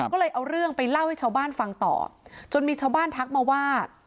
ก็เลยเอาเรื่องไปเล่าให้ชาวบ้านฟังต่อจนมีชาวบ้านทักมาว่า